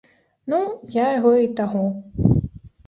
Ну, я яго і таго.